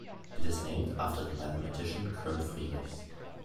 It is named after the mathematician Kurt Friedrichs.